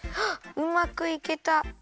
あっうまくいけた！